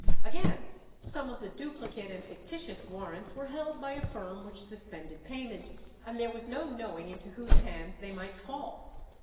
Again, some of the duplicate and fictitious warrants were held by a firm which suspended payment, and there was no knowing into whose hands they might fall.